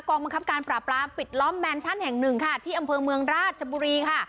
บังคับการปราบรามปิดล้อมแมนชั่นแห่งหนึ่งค่ะที่อำเภอเมืองราชบุรีค่ะ